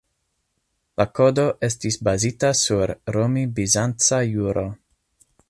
La Kodo estis bazita sur romi-bizanca juro.